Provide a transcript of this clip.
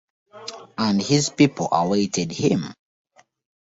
And his people awaited him!